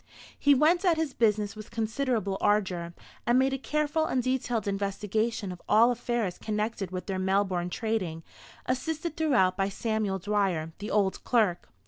He went at his business with considerable ardour, and made a careful and detailed investigation of all affairs connected with their Melbourne trading, assisted throughout by Samuel Dwyer, the old clerk.